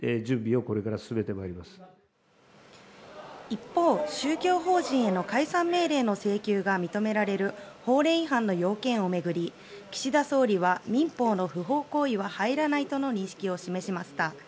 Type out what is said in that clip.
一方、宗教法人への解散命令の請求が認められる法令違反の要件を巡り岸田総理は民法の不法行為は入らないとの認識を示しました。